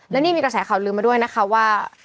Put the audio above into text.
และนี่มีกระแสข่าวลืมมาด้วยนะคะว่า